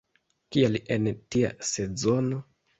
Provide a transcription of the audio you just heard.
Kial en tia sezono?